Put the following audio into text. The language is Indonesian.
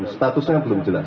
statusnya belum jelas